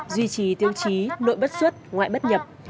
duy trì tiêu chí nội bất xuất ngoại bất nhập